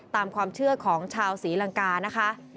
ตามความเชื่อของชาวศรีลังกานะคะ